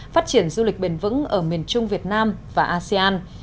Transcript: phát triển du lịch bền vững ở miền trung việt nam và asean